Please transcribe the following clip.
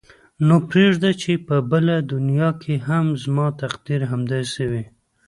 نو پرېږده چې په بله دنیا کې هم زما تقدیر همداسې وي.